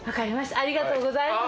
ありがとうございます。